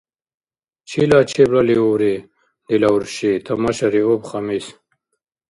— Чила чеблалиуври, дила урши? — тамашариуб Хамис.